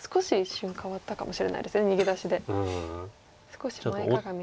少し前かがみに。